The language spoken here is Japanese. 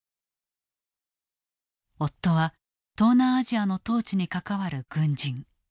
夫は東南アジアの統治に関わる軍人。